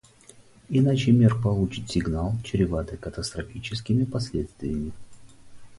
Иначе мир получит сигнал, чреватый катастрофическими последствиями.